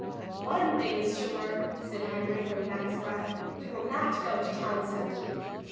"One thing is sure," said Henry, when he got his breath. "We will not go to Townsend."